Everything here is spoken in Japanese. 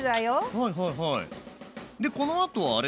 はいはいはい。